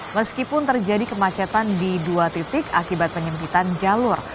meskipun terjadi kemacetan di dua titik akibat penyempitan jalur